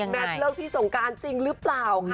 เลิกพี่สงการจริงหรือเปล่าค่ะ